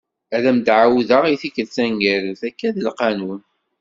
Ad am-d-ɛawdeɣ i tikelt taneggarut, akka i d lqanun.